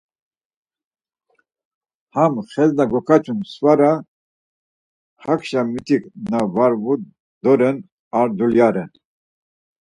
Ham xes na gokaçunan svara, hakşa mitik na var vu doren ar duyla ren.